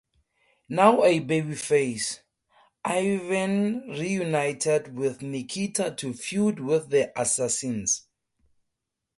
Now a babyface, Ivan reunited with Nikita to feud with the Assassins.